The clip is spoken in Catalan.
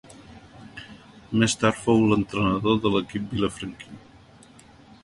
Més tard fou entrenador de l'equip vilafranquí.